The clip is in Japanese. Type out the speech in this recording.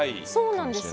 そうなんです。